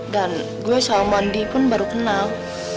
dan gue sama mondi pun baru kenal